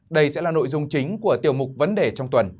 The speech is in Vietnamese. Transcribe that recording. đây sẽ là nội dung chính của tiểu mục vấn đề trong tuần